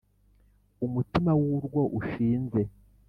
umutima wu rwo ushinze.»